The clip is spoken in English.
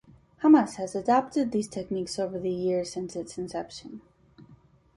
Hamas has adapted these techniques over the years since its inception.